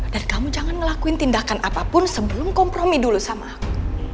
kamu jangan ngelakuin tindakan apapun sebelum kompromi dulu sama aku